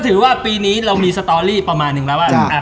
ที่ว่าปีนี้เรามีสตอรี่ประมาณนึงว่า